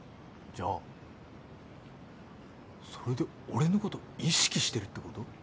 じゃあそれで俺のこと意識してるってこと？